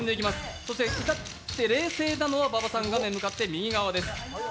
そして至って冷静なのは馬場さん向かって右側です。